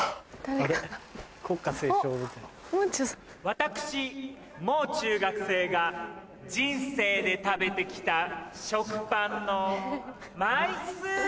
私もう中学生が人生で食べて来た食パンの枚数は？